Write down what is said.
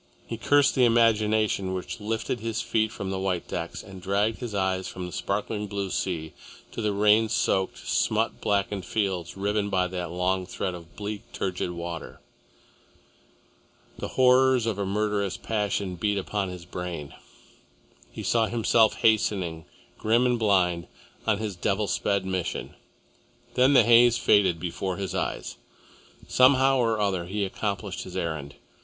He cursed the imagination which lifted his feet from the white decks and dragged his eyes from the sparkling blue sea to the rain soaked, smut blackened fields riven by that long thread of bleak, turgid water. The horrors of a murderous passion beat upon his brain. He saw himself hastening, grim and blind, on his devil sped mission. Then the haze faded from before his eyes. Somehow or other he accomplished his errand.